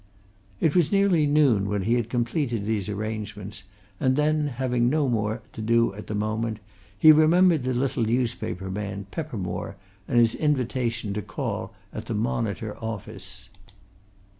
It was nearly noon when he had completed these arrangements, and then, having no more to do at the moment, he remembered the little newspaper man, Peppermore, and his invitation to call at the Monitor office.